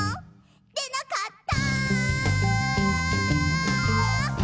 「でなかった！」